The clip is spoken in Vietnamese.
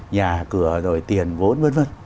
nhà cửa rồi tiền vốn v v